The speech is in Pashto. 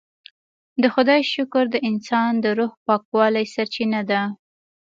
د خدای شکر د انسان د روح پاکوالي سرچینه ده.